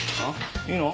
いいの？